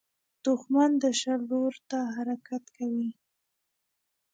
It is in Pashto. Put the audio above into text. دښمن د شر لور ته حرکت کوي